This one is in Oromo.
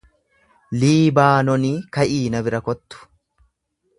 Liibaanonii ka'ii na bira kottu.